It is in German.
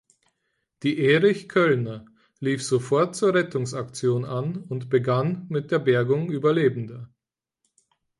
Die "Erich Koellner" lief sofort zur Rettungsaktion an und begann mit der Bergung Überlebender.